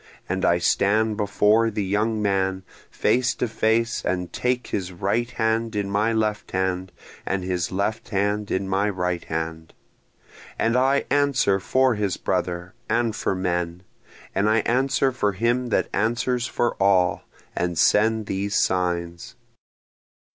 And I stand before the young man face to face, and take his right hand in my left hand and his left hand in my right hand, And I answer for his brother and for men, and I answer for him that answers for all, and send these signs.